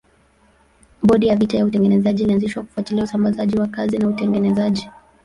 Bodi ya vita ya utengenezaji ilianzishwa kufuatilia usambazaji wa kazi na utengenezaji.